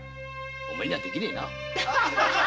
お前にゃできねえな。